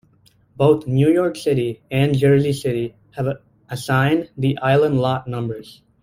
Both New York City and Jersey City have assigned the island lot numbers.